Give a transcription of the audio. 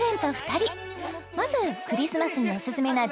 ２人まずクリスマスにおすすめな